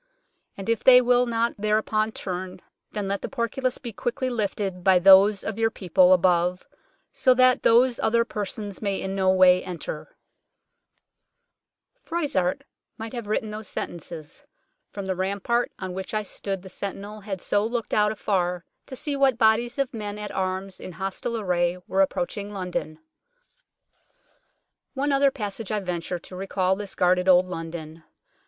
" And if they will not thereupon turn, then let the portcullis be quickly lifted by those of your people above, that so those other persons may in no way enter." 1 On war horses, or chargers. REMAINS OF THE CITY WALL 27 Froissart might have written those sentences. From the rampart on which I stood the sentinel had so looked out afar to see what bodies of men at arms in hostile array were approaching London. One other passage I venture, to recall this guarded Old London.